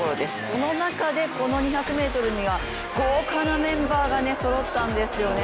その中でこの２００ｍには豪華なメンバーがそろったんですよね。